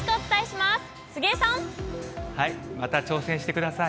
また挑戦してください。